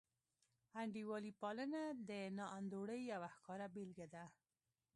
انډیوالي پالنه د ناانډولۍ یوه ښکاره بېلګه ده.